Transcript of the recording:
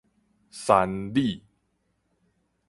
山里